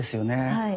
はい。